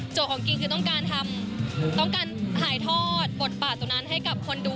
ของกิงคือต้องการทำต้องการถ่ายทอดบทบาทตรงนั้นให้กับคนดู